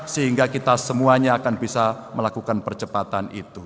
sehingga kita semuanya akan bisa melakukan percepatan itu